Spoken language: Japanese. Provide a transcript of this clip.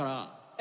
え？